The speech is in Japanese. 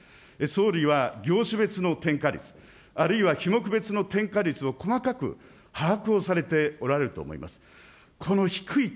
総理は業種別の転嫁率、あるいは種目別の転嫁率を細かく把握をされておられると思います。